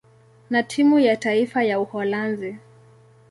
na timu ya taifa ya Uholanzi.